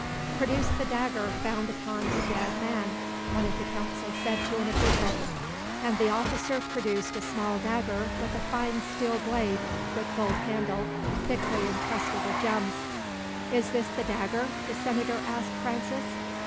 "Produce the dagger found upon the dead man," one of the council said to an official. And the officer produced a small dagger with a fine steel blade and gold handle, thickly encrusted with gems. "Is this the dagger?" the senator asked Francis.